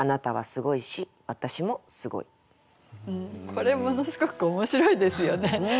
これものすごく面白いですよね。